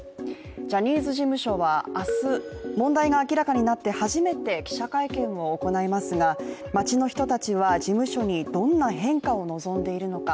ジャニーズ事務所は明日、問題が明らかになって初めて記者会見を行いますが街の人たちは事務所にどんな変化を望んでいるのか。